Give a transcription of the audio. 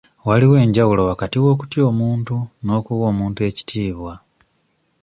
Waliwo enjawulo wakati w'okutya omuntu n'okuwa omuntu ekitiibwa.